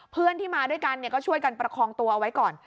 เพื่อนที่มาด้วยกันก็ช่วยกันประคองตัวเอาไว้ก่อน